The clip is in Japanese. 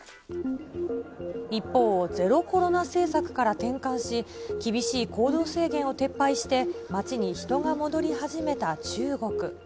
一方、ゼロコロナ政策から転換し、厳しい行動制限を撤廃して街に人が戻り始めた中国。